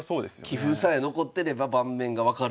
棋譜さえ残ってれば盤面が分かるという。